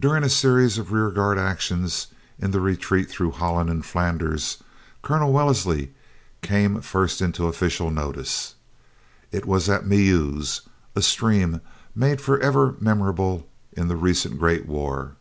During a series of rearguard actions in the retreat through Holland and Flanders, Colonel Wellesley came first into official notice. It was at the Meuse, a stream made forever memorable in the recent Great War.